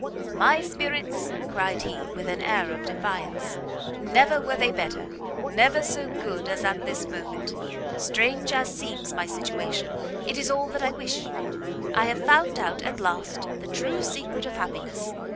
"My spirits!" cried he, with an air of defiance, "never were they better, never so good as at this moment. Strange as seems my situation, it is all that I wish; I have found out, at last, the true secret of happiness!